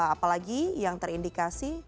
apalagi yang terindikasi